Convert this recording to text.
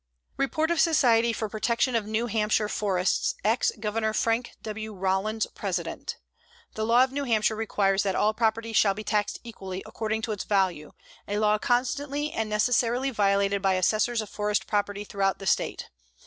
REPORT OF SOCIETY FOR PROTECTION OF NEW HAMPSHIRE FORESTS, EX GOVERNOR FRANK W. ROLLINS, President: The law of New Hampshire requires that all property shall be taxed equally, according to its value, a law constantly and necessarily violated by assessors of forest property throughout the State.